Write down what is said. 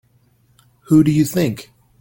Who do you think?